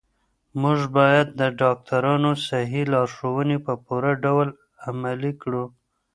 موږ باید د ډاکترانو صحي لارښوونې په پوره ډول عملي کړو.